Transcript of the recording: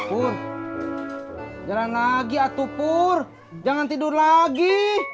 hai pur jalan lagi atuh pur jangan tidur lagi